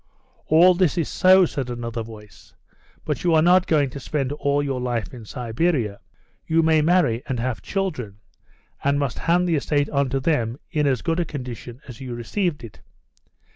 "All this is so," said another voice, "but you are not going to spend all your life in Siberia. You may marry, and have children, and must hand the estate on to them in as good a condition as you received it.